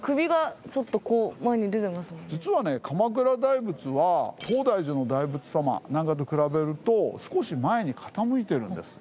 実はね鎌倉大仏は東大寺の大仏様なんかと比べると少し前に傾いてるんです。